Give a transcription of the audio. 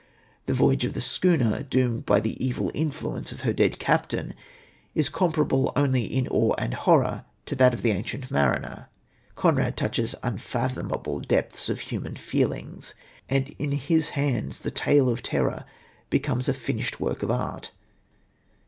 The voyage of the schooner, doomed by the evil influence of her dead captain, is comparable only in awe and horror to that of The Ancient Mariner. Conrad touches unfathomable depths of human feelings, and in his hands the tale of terror becomes a finished work of art.